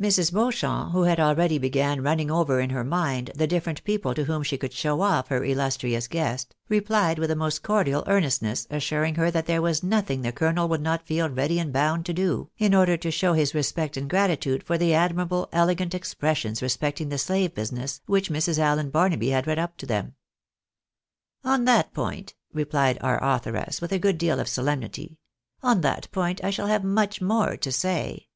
Mrs. Beauchamp, who had already began running over in her mind the different people to whom she coxzld show off her illustrious guest, replied with the most cordial earnestness, assuring her that 166 THE BAENABYS IN AMEKICA. there was nothing the colonel would not feel ready and bound to do, in order to show his respect and gratitude for the admirable, ■elegant expressions respecting the slave business, which Mrs. Allen Barnaby had read up to them. " On that point," replied our authoress, with a good deal of solemnity, " on that point I shall have much more to say.